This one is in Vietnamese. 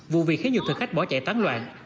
vụ việc khiến nhiều thực khách bỏ chạy tán loạn